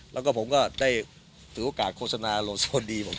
แล้วผมก็ได้ถือโอกาสโฆษณาโรสโกรธดีผมด้วย